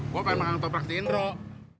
gua kan makan toprak si indruk